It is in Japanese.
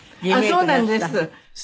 そうなんです。